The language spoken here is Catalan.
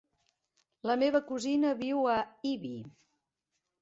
La meva cosina viu a Ibi.